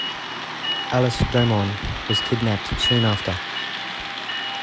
Alice Domon was kidnapped soon after.